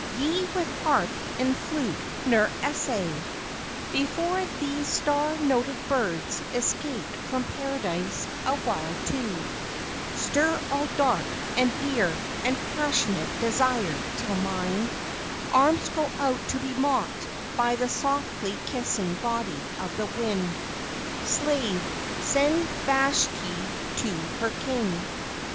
ye with harp and flute ne'er essay Before these star noted birds escaped from paradise awhile to Stir all dark, and dear, and passionate desire, till mine Arms go out to be mocked by the softly kissing body of the wind Slave, send Vashti to her King!